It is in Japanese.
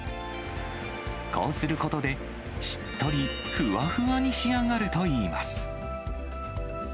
こうすることで、しっとり、ふわふわに仕上がるといいます。